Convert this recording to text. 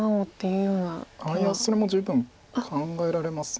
いやそれも十分考えられます。